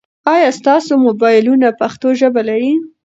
آیا ستاسو موبایلونه پښتو ژبه لري؟